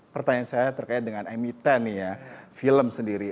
pertanyaan saya terkait dengan me sepuluh film sendiri